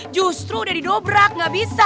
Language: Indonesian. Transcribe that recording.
justru udah didobrak nggak bisa